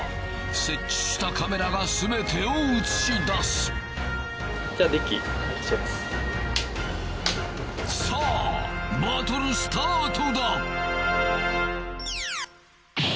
設置したカメラが全てを映し出すさぁバトルスタートだ！